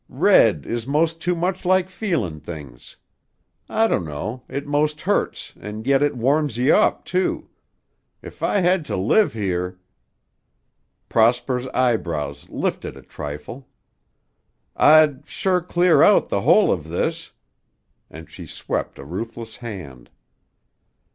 Red is most too much like feelin' things. I dunno, it most hurts an' yet it warms you up, too. If I hed to live here " Prosper's eyebrows lifted a trifle. "I'd sure clear out the whole of this" and she swept a ruthless hand.